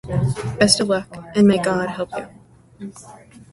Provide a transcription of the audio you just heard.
Best of luck, and may God help you.